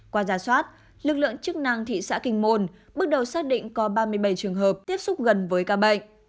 qua giả soát lực lượng chức năng thị xã kinh môn bước đầu xác định có ba mươi bảy trường hợp tiếp xúc gần với ca bệnh